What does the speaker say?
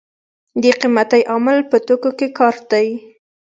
د قیمتۍ عامل په توکو کې کار دی.